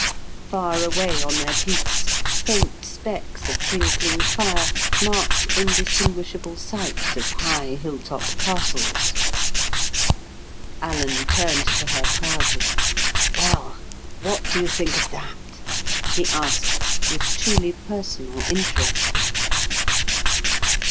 Far away on their peaks faint specks of twinkling fire marked indistinguishable sites of high hilltop castles. Alan turned to her proudly. "Well, what do you think of that?" he asked with truly personal interest.